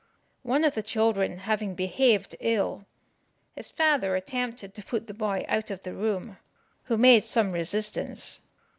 One of the children having behaved ill, his father attempted to put the boy out of the room, who made some resistance.